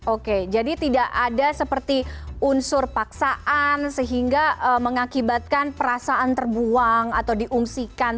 oke jadi tidak ada seperti unsur paksaan sehingga mengakibatkan perasaan terbuang atau diungsikan